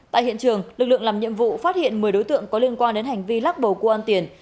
tại hiện trường lực lượng làm nhiệm vụ phát hiện một mươi đối tượng có liên quan đến hành vi lắc bầu cua ăn tiền